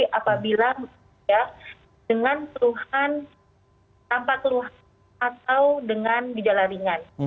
siapa saja orang yang terisolasi mandiri apabila dengan perubahan tanpa keluhan atau dengan bijala ringan